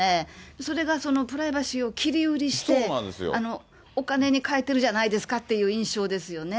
それがプライバシーを切り売りしてお金に換えてるじゃないですかっていう印象ですよね。